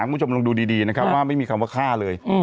คุณผู้ชมลองดูดีนะครับว่าไม่มีคำว่าฆ่าเลย